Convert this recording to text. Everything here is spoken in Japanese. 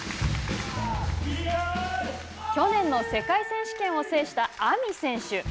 去年の世界選手権を制したＡＭＩ選手。